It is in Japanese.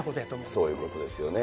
そういうことですよね。